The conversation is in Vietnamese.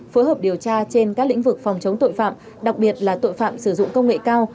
phối hợp điều tra trên các lĩnh vực phòng chống tội phạm đặc biệt là tội phạm sử dụng công nghệ cao